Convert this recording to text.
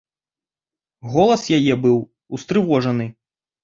Голас яе быў устрывожаны.